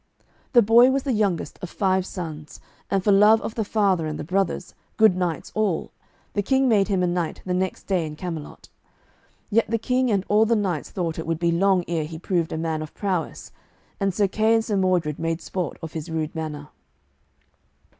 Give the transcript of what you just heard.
The boy was the youngest of five sons, and for love of the father and the brothers, good knights all, the King made him a knight the next day in Camelot; yet the King and all the knights thought it would be long ere he proved a man of prowess, and Sir Kay and Sir Mordred made sport of his rude manner.